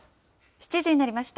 ７時になりました。